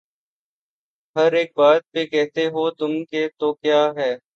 ہر ایک بات پہ کہتے ہو تم کہ تو کیا ہے